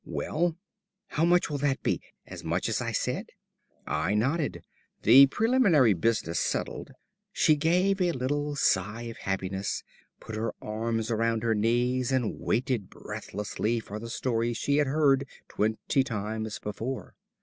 Well " "How much will that be? As much as I said?" I nodded. The preliminary business settled, she gave a little sigh of happiness, put her arms round her knees, and waited breathlessly for the story she had heard twenty times before.